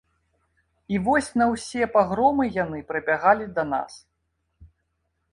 І вось на ўсе пагромы яны прыбягалі да нас.